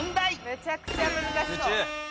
めちゃくちゃ難しそう。